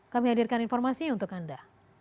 kami hadirkan informasinya untuk anda